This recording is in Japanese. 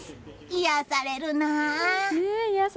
癒やされるなあ。